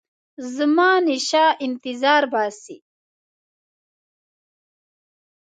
زمانشاه انتظار باسي.